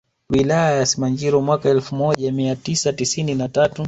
Wilaya ya Simanjiro mwaka elfu moja mia tisa tisini na tatu